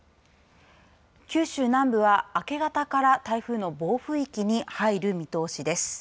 九州南部は明け方から台風の暴風域に入る見通しです。